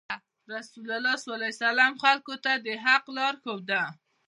رسول الله خلکو ته د حق لار وښوده.